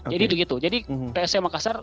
jadi begitu jadi psm makassar